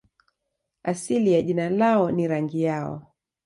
Asili ya jina lao ni rangi yao.